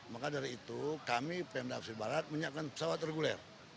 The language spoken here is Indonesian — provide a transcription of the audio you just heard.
maka dari itu kami pemda afri barat menyiapkan pesawat reguler